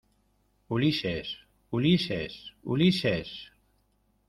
¡ Ulises! ¡ Ulises !¡ Ulises !